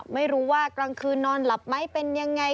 ไม่รู้ว่ากลางคืนนอนหลับไหมเป็นยังไง